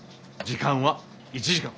時間は１時間。